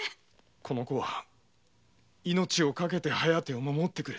この子は命を賭けて「疾風」を守ってくれた。